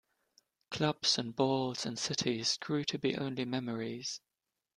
Clubs and balls and cities grew to be only memories.